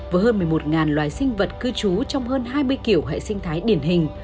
với hơn một mươi một loài sinh vật cư trú trong hơn hai mươi kiểu hệ sinh thái điển hình